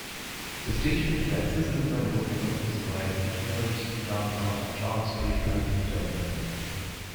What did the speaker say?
The station is accessible by local buses via Kitchener's downtown Charles Street transit terminal.